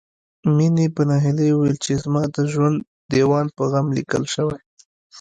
مينې په ناهيلۍ وويل چې زما د ژوند ديوان په غم ليکل شوی